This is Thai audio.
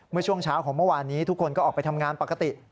เมื่อช่วงเช้าของเมื่อวานนี้ทุกคนก็ออกไปทำงานปกติ